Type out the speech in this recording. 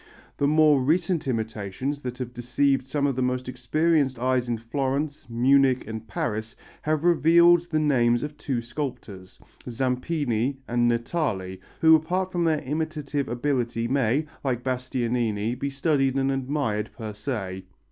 The more recent imitations that have deceived some of the most experienced eyes in Florence, Munich and Paris have revealed the names of two sculptors, Zampini and Natali, who apart from their imitative ability may, like Bastianini, be studied and admired per se.